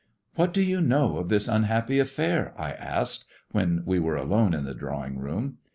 " What do yon know of this unhappy affair )" I asked, when wo were alone in the drawing room.